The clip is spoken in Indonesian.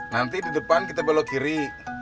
nanti di depan kita belok kiri